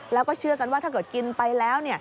แล้วก็เชื่อกันว่าถ้าเกิดกินไปแล้ว